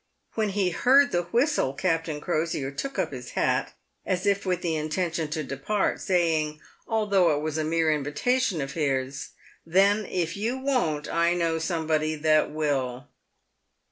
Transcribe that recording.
"When he heard the whistle, Captain Crosier took up his hat, as if with the intention to depart, saying, although it was a mere invention of his, "Then, if you won't, I know somebody that will."